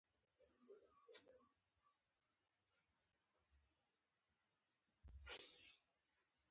باسواده ښځې په دولتي ادارو کې کار کولای شي.